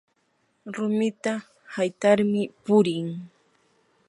rumita haytarmi purin